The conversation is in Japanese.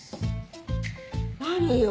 何よ？